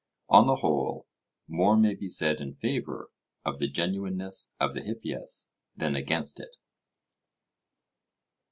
On the whole, more may be said in favour of the genuineness of the Hippias than against it.